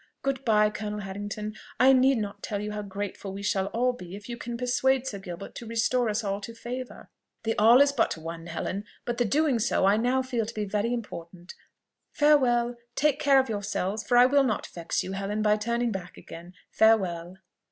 Good b'ye, Colonel Harrington: I need not tell you how grateful we shall all be if you can persuade Sir Gilbert to restore us all to favour." "The all is but one, Helen; but the doing so I now feel to be very important. Farewell! Take care of yourselves; for I will not vex you, Helen, by turning back again. Farewell!"